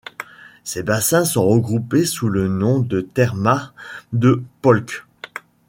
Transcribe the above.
Ces bassins sont regroupés sous le nom de Termas de Polques.